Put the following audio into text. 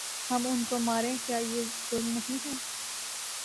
ہم ان کو ماریں کیا یہ ظلم نہیں ہے ۔